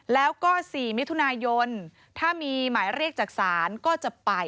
แล้วก็๔มิถุนายนถ้ามีหมายเรียกจากศาลก็จะไป